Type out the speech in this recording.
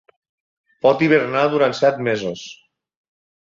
Pot hibernar durant set mesos.